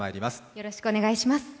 よろしくお願いします。